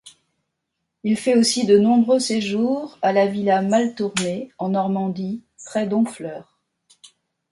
Il fait aussi de nombreux séjour à la villa Maltournée en Normandie, près d'Honfleur.